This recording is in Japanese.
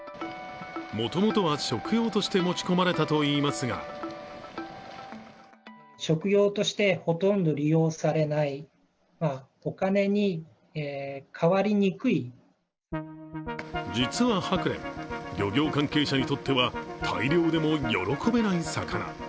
もともとは食用として持ち込まれたといいますが実はハクレン、漁業関係者にとっては、大漁でも喜べない魚。